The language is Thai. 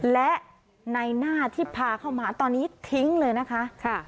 และในหน้าที่พาเข้ามาตอนนี้ทิ้งเลยนะคะ